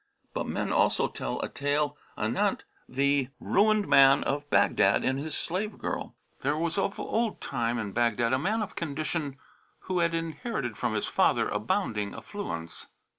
But men also tell a tale anent the RUINED MAN OF BAGHDAD AND HIS SLAVE GIRL There was of old time in Baghdad a man of condition, who had inherited from his father abounding affluence.